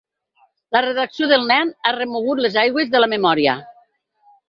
La redacció del nen ha remogut les aigües de la memòria.